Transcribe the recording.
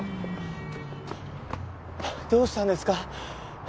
どうしたんですか？